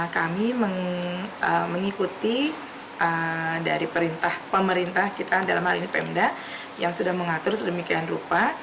kami mengikuti pemerintah pemda yang sudah mengatur sedemikian rupa